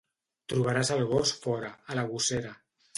Trobaràs el gos fora, a la gossera.